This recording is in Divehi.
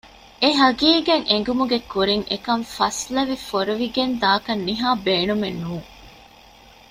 އެ ހަޤީޤަތް އެނގުމުގެ ކުރިން އެކަން ފަސްލެވި ފޮރުވިގެން ދާކަށް ނިހާ ބޭނުމެއް ނޫން